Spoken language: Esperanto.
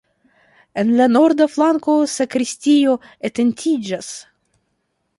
En la norda flanko sakristio etendiĝas.